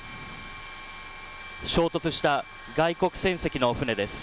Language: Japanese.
衝突した外国船籍の船です。